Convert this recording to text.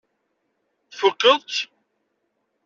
Tfukkeḍ-tt?